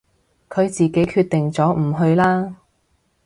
佢自己決定咗唔去啦